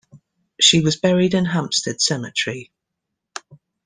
She was buried in Hampstead Cemetery.